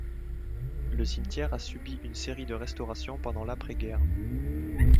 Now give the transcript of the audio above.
Le cimetière a subi une série de restaurations pendant l'après-guerre.